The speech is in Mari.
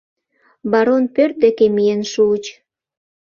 Барон пӧрт деке миен шуыч.